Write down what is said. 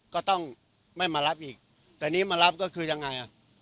ก็ต้องไม่มารับอีกแต่นี่มารับก็คือยังไงอ่ะ